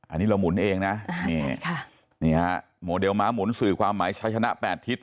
อันนี้เรามุนเองนะโมเดลม้าหมุนสื่อความหมายชะชนะแปดทิศ